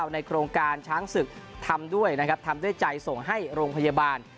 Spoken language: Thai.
ในโครงการช้างศึกทำด้วยนะครับทำด้วยใจส่งให้โรงพยาบาล